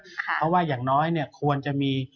เพราะว่าอย่างน้อยเนี่ยควรจะมี